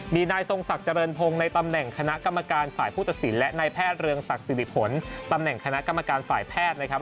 มีนายทรงศักดิ์เจริญพงศ์ในตำแหน่งคณะกรรมการฝ่ายผู้ตัดสินและนายแพทย์เรืองศักดิ์สิริผลตำแหน่งคณะกรรมการฝ่ายแพทย์นะครับ